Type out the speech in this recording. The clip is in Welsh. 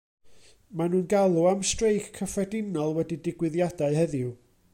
Mae nhw'n galw am streic cyffredinol wedi digwyddiadau heddiw.